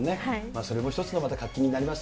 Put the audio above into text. それも一つのまた活気になります。